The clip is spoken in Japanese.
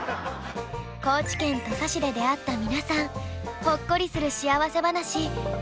高知県土佐市で出会った皆さんほっこりする幸せ話ありがとうございました！